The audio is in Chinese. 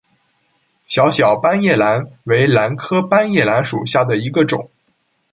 小小斑叶兰为兰科斑叶兰属下的一个种。